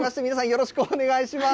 よろしくお願いします。